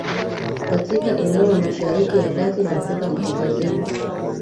katika eneo la mashariki ya kati na afrika kaskazini